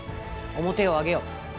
面を上げよ。